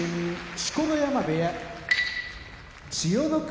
錣山部屋千代の国